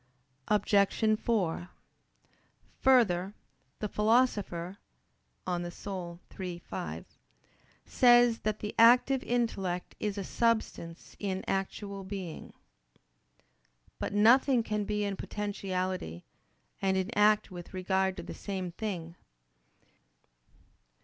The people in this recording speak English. Obj. 4: Further, the Philosopher (De Anima iii, 5) says that the active intellect is a "substance in actual being." But nothing can be in potentiality and in act with regard to the same thing.